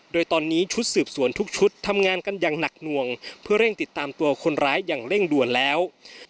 โดยตอนนี้ชุดสืบสวนทุกชุดทำงานกันอย่างหนักหน่วงเพื่อเร่งติดตามตัวคนร้ายอย่างเร่งด่วนแล้ว